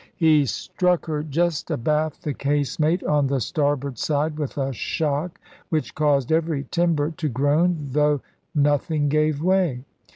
He oTtiS7 struck her just abaft the casemate on the starboard side with a shock which caused every timber to groan, though nothing gave way.